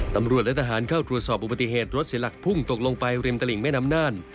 ตำรวจและทหารเข้าตรวจสอบอุบัติเหตุรถเสียหลักพุ่งตกลงไปริมตลิ่งแม่น้ำน่าน